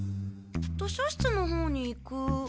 図書室のほうに行く。